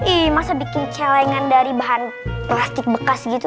ih masa bikin celengan dari bahan plastik bekas gitu